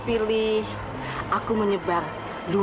aku akan terus jaga kamu